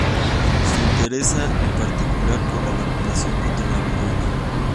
Se interesa, en particular, por la vacunación contra la viruela.